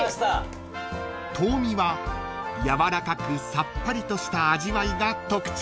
［頭身はやわらかくさっぱりとした味わいが特徴］